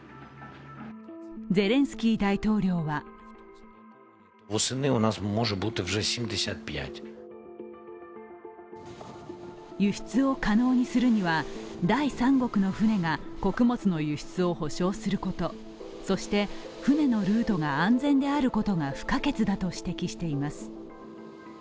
ゼレンスキー大統領は輸出を可能にするには第三国の船が穀物の輸出を保証することそして船のルートが安全であることが不可欠だと指摘しています。